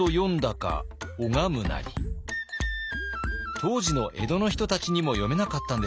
当時の江戸の人たちにも読めなかったんですか？